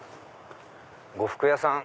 呉服屋さん。